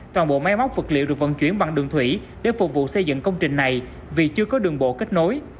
toàn bộ máy móc vật liệu được vận chuyển bằng đường thủy để phục vụ xây dựng công trình này vì chưa có đường bộ kết nối